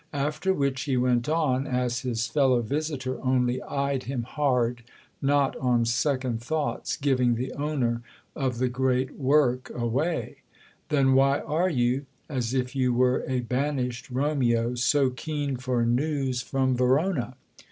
After which he went on, as his fellow visitor only eyed him hard, not, on second thoughts, giving the owner of the great work away: "Then why are you—as if you were a banished Romeo—so keen for news from Verona?"